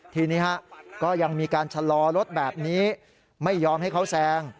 ทีนี้ก็ยังมีการชะลอรถแบบนี้ไม่ยอมให้เขาแซง